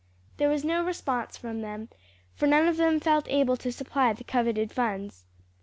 There was no response from them; for none of them felt able to supply the coveted funds.